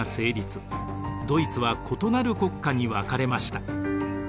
ドイツは異なる国家に分かれました。